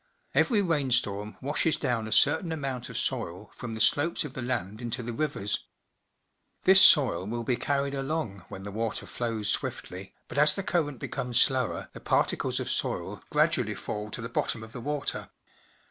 Every rainstorm washes down a certain amount of soil from the slopes of the land into the rivers. This soil will be carried along when the water flows swiftly; but as the current becomes slower, the particles of soil gradually fall to the bottom of the water.